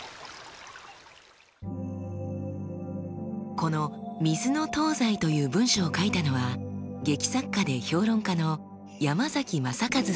この「水の東西」という文章を書いたのは劇作家で評論家の山崎正和さんです。